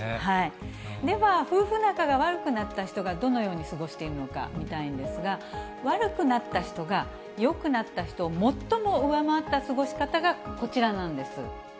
では、夫婦仲が悪くなった人が、どのように過ごしているのか見たいんですが、悪くなった人がよくなった人を最も上回った過ごし方がこちらなんです。